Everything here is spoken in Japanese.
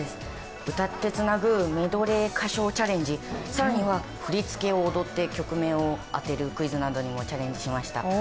歌ってつなぐメドレー歌唱チャレンジ、更には振り付けを踊って曲名を当てるクイズなどにも挑戦しました。